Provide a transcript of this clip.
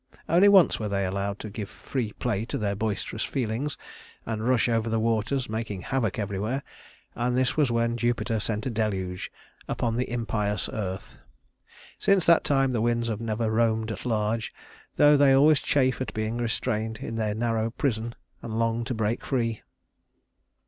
Only once were they allowed to give free play to their boisterous feelings, and rush over the waters, making havoc everywhere, and this was when Jupiter sent a deluge upon the impious earth. Since that time the winds have never roamed at large, though they always chafe at being restrained in their narrow prison and long to break free.